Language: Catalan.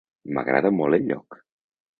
M'agrada molt el lloc.